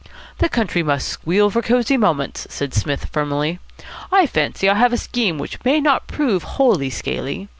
"The country must squeal for Cosy Moments," said Psmith firmly. "I fancy I have a scheme which may not prove wholly scaly.